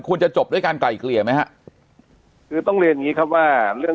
ควรจะจบด้วยการไกลเกลี่ยไหมฮะคือต้องเรียนอย่างงี้ครับว่าเรื่อง